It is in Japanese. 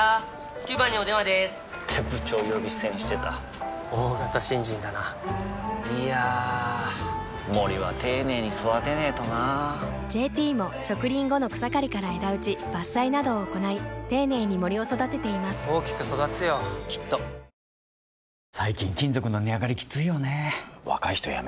９番にお電話でーす！って部長呼び捨てにしてた大型新人だないやー森は丁寧に育てないとな「ＪＴ」も植林後の草刈りから枝打ち伐採などを行い丁寧に森を育てています大きく育つよきっと今日午前ロシア国営メディアが撮影したとみられる映像。